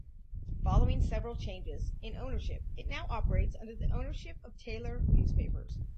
Following several changes in ownership, it now operates under the ownership of Taylor Newspapers.